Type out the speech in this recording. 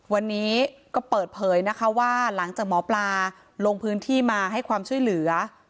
วันนี้ก็เปิดเผยนะคะว่าหลังจากหมอปลาลงพื้นที่มาให้ความช่วยเหลือ